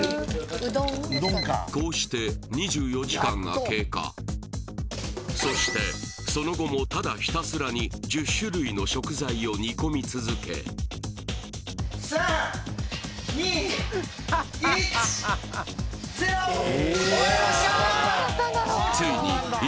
こうしてそしてその後もただひたすらに１０種類の食材を煮込み続け３２１ゼロ終わりました！